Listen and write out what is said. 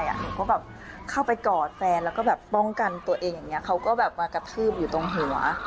เขาก็แบบเข้าไปกอดแฟนแล้วก็แบบป้องกันตัวเองอย่างนี้เขาก็แบบมากระทืบอยู่ตรงหัว